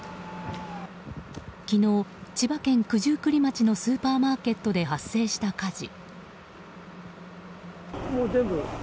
昨日、千葉県九十九里町のスーパーマーケットで発生した火事。